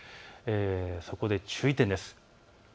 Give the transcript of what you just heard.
そこで注意点です。